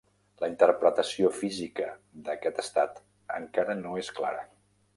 La interpretació física d'aquest estat encara no és clara.